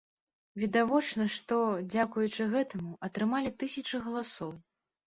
Відавочна, што, дзякуючы гэтаму, атрымалі тысячы галасоў.